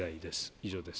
以上です。